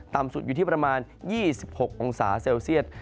ต่ำสุดอยู่ที่ประมาณ๒๖องศาเซลเซียต